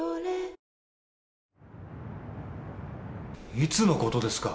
いつのことですか？